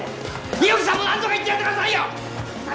猪木さんも何とか言ってやってくださいよ！